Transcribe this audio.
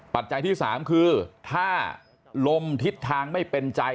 ปัจจัยที่๓คือถ้าลมทิศทางไม่เป็นใจ